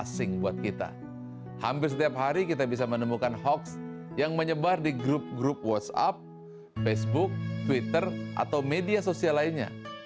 hampir setiap hari kita bisa menemukan hoax yang menyebar di grup grup whatsapp facebook twitter atau media sosial lainnya